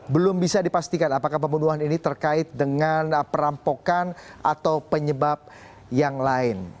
belum bisa dipastikan apakah pembunuhan ini terkait dengan perampokan atau penyebab yang lain